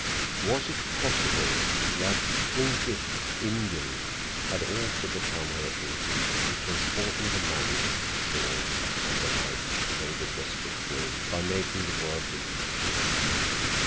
Was it possible the Thlinkit Indian had also become her agent in transporting the money ashore on the night she played her desperate game by making the world believe she had died?